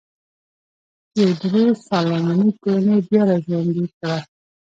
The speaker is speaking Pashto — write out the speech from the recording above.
تیوودروس سالومونیک کورنۍ بیا را ژوندی کړه.